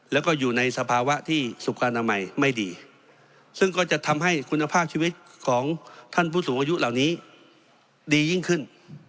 แล้วก็อยู่ในสภาวะที่สุขอนามัยไม่ดีซึ่งก็จะทำให้คุณภาพชีวิตของท่านผู้สูงอายุเหล่านี้ดียิ่งขึ้น